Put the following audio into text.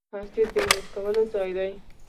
مسجد د لمونځ کولو ځای دی .